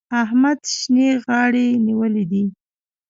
احمد شينې غاړې نيولی دی.